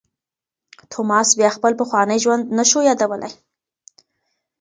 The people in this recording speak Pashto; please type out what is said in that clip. توماس بیا خپل پخوانی ژوند نه شو یادولای.